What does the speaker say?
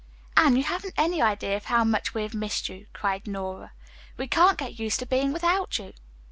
"Anne, you haven't any idea of how much we have missed you," cried Nora. "We can't get used to being without you."